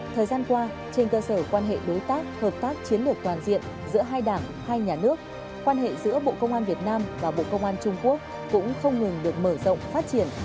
thời gian qua trên cơ sở quan hệ đối tác hợp tác chiến lược toàn diện giữa hai đảng hai nhà nước quan hệ giữa bộ công an việt nam và bộ công an trung quốc cũng không ngừng được mở rộng phát triển